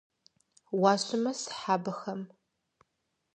Уащымысхь абыхэм.